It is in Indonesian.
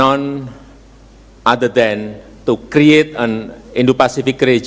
untuk membuat sebuah negara pasifik indo